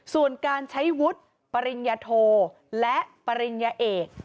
ส่วนการใช้วุฒิปริญญาโทและปริญญาเอก